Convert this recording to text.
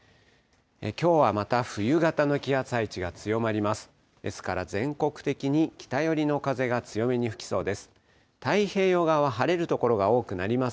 きょうはまた冬型の気圧配置が強まります。